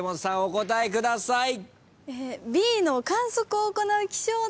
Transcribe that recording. お答えください。